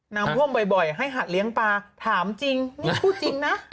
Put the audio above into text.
น้ำท่วมบ่อยให้หัดเลี้ยงปลาถามจริงนี่พูดจริงนะ